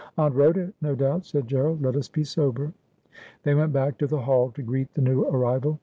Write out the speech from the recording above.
' Aunt Rhoda, no doubt,' said G erald. ' Let us be sober.' They went back to the hall to greet the new arrival.